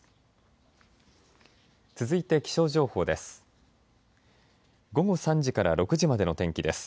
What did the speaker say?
続いて気象情報です。